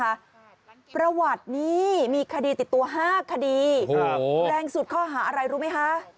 ประวัตินี้มีคดีติดตัว๕คดีครับแรงสุดข้อหาอะไรรู้ไหมคะ